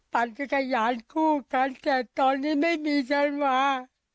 ปั่นกระยานคู่ทั้งแต่ตอนนี้ไม่มีธันวา